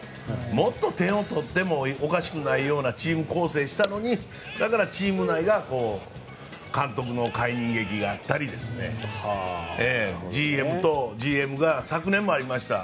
もっと点を取ってもおかしくないようなチーム構成したのにだから、チーム内が監督の解任劇があったりＧＭが昨年もありました